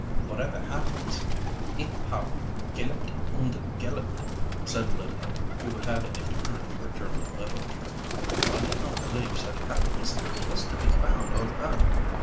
"Whatever happens, Ich habe gelebt und geliebt," said Linda, who had a turn for German literature. "I did not believe such happiness was to be found on earth!